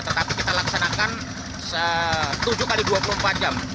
tetapi kita laksanakan tujuh x dua puluh empat jam